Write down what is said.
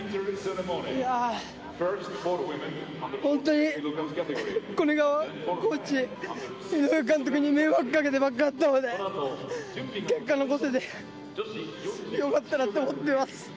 いやー、本当に、古根川コーチ、井上監督に迷惑かけてばっかりだったので、結果残せて、よかったなって思ってます。